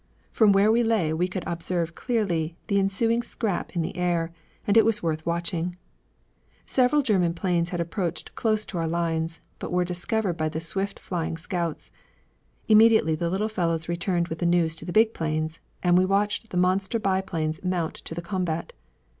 From where we lay we could observe clearly the ensuing scrap in the air, and it was worth watching. Several German planes had approached close to our lines, but were discovered by the swift flying scouts. Immediately the little fellows returned with the news to the big planes, and we watched the monster biplanes mount to the combat.